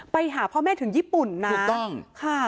ไปหาพ่อแม่ถึงญี่ปุ่นนะ